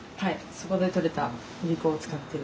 そこで取れたいりこを使ってる。